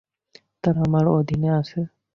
তারা তোমার অধীনে আছে।